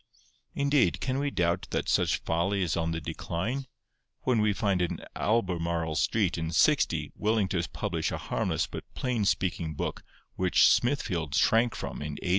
Indeed, can we doubt that such folly is on the decline, when we find Albemarle Street in '60 willing to publish a harmless but plain speaking book which Smithfield shrank from in '80?